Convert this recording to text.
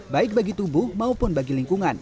baik bagi tubuh maupun bagi lingkungan